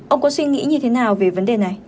ông có suy nghĩ như thế nào về vấn đề này